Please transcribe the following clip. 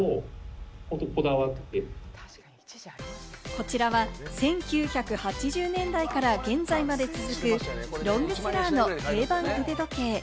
こちらは１９８０年代から現在まで続くロングセラーの定番腕時計。